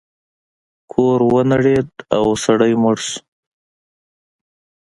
کور ونړید او سړی مړ شو.